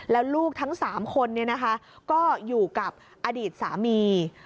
แล้วลูกทั้ง๓คนก็อยู่กับอดีตสามี